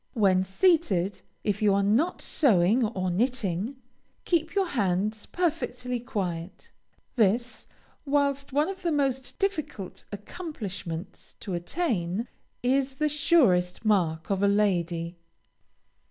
When seated, if you are not sewing or knitting, keep your hands perfectly quiet. This, whilst one of the most difficult accomplishments to attain, is the surest mark of a lady.